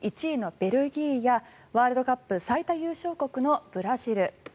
１位のベルギーやワールドカップ最多優勝国のブラジル。